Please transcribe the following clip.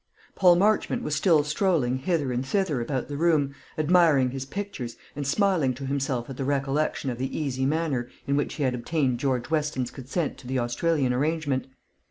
Paul Marchmont was still strolling hither and thither about the room, admiring his pictures, and smiling to himself at the recollection of the easy manner in which he had obtained George Weston's consent to the Australian arrangement.